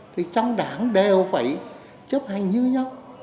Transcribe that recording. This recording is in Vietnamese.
thì trong đảng đều phải chấp hành như nhau